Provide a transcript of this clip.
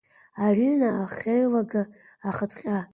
Арина ахеилага, ахыҭҟьа…